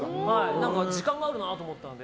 時間があるなと思ったので。